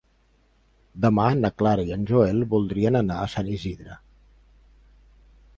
Demà na Clara i en Joel voldrien anar a Sant Isidre.